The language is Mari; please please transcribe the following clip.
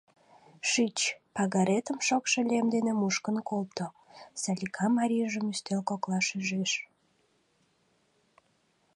Шич, пагаретым шокшо лем дене мушкын колто, — Салика марийжым ӱстел коклаш ӱжеш.